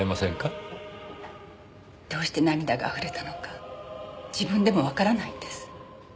どうして涙が溢れたのか自分でもわからないんです。